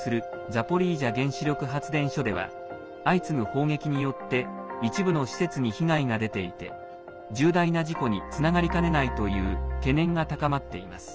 ザポリージャ原子力発電所では相次ぐ砲撃によって一部の施設に被害が出ていて重大な事故につながりかねないという懸念が高まっています。